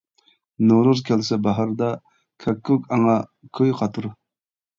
نورۇز كەلسە باھاردا، كاككۇك ئاڭا كۈي قاتۇر.